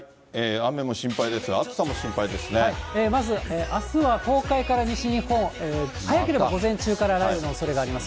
雨も心配ですが、まず、あすは東海から西日本、早ければ午前中から雷雨のおそれがあります。